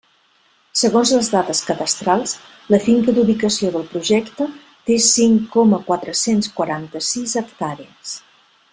Segons les dades cadastrals la finca d'ubicació del Projecte té cinc coma quatre-cents quaranta-sis hectàrees.